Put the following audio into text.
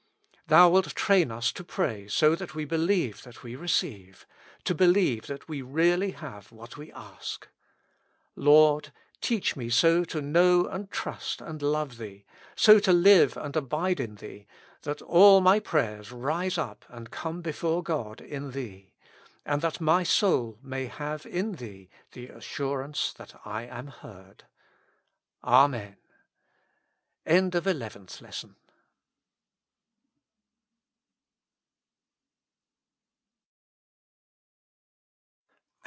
Thou wilt train us to pray so that we believe that we receive, to believe that we really have what we ask. Lord ! teach me so to know and trust and love Thee, so to live and abide in Thee, that all my prayers rise up and come before God in Thee, and that my soul may have in Thee the assurance that I am heard. Amen. 92 TWBIvFTH I.ESSON.